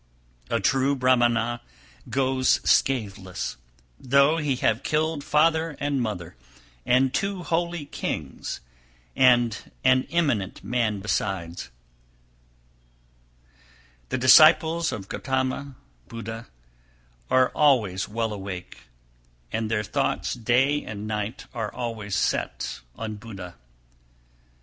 A true Brahmana goes scatheless, though he have killed father and mother, and two holy kings, and an eminent man besides. 296. The disciples of Gotama (Buddha) are always well awake, and their thoughts day and night are always set on Buddha. 297.